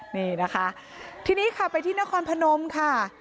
นี่นะคะทีนี้ค่ะไปที่นครพนมค่ะ